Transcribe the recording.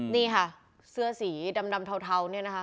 นี่ค่ะเสื้อสีดำเทาเนี่ยนะคะ